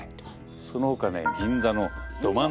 そのほかね銀座のど真ん中からね